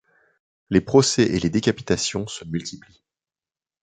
Les procès et les décapitations se multiplent.